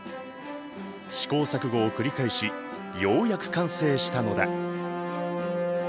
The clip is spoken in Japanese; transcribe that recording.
試行錯誤を繰り返しようやく完成したのだ。